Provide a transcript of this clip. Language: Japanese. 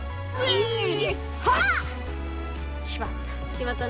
決まった。